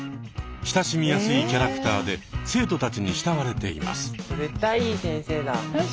親しみやすいキャラクターで生徒たちに慕われています。